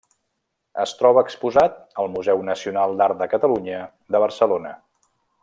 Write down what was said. Es troba exposat al Museu Nacional d'Art de Catalunya de Barcelona.